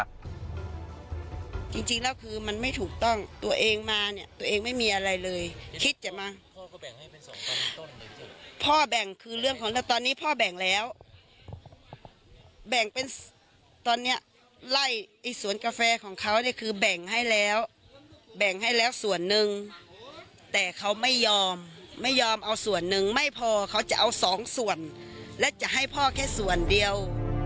การขายกาแฟ๒ส่วนและจะให้พ่อแค่ส่วนเดียว